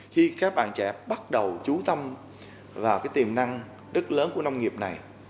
khi các bạn trẻ bắt đầu trú tâm vào cái tiềm năng rất lớn của nông nghiệp này